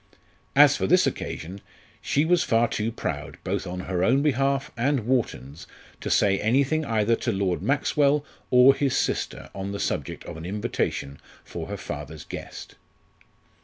As for this occasion, she was far too proud both on her own behalf and Wharton's to say anything either to Lord Maxwell or his sister on the subject of an invitation for her father's guest.